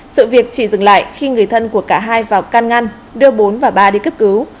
sự việc chỉ dừng lại khi người thân của cả hai vào can ngăn đưa bốn và ba đi cấp cứu